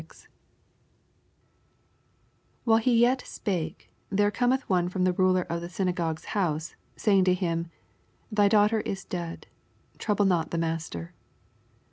49 While he yet spake, there cometh one from the ruler of the synagogue's houss, saying to him, Thy daufi hter is dead ; trouble not the Master.